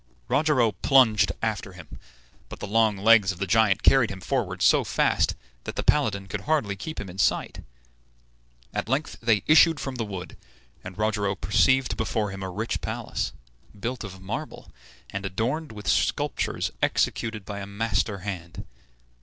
Rogero plunged after him, but the long legs of the giant carried him forward so fast that the paladin could hardly keep him in sight. At length they issued from the wood, and Rogero perceived before him a rich palace, built of marble, and adorned with sculptures executed by a master hand.